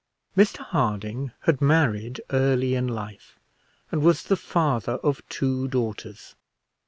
Mr Harding had married early in life, and was the father of two daughters.